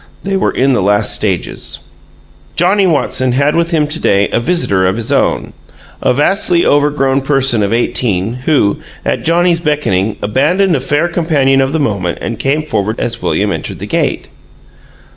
They were in the last stages. Johnnie Watson had with him to day a visitor of his own a vastly overgrown person of eighteen, who, at Johnnie's beckoning, abandoned a fair companion of the moment and came forward as William entered the gate.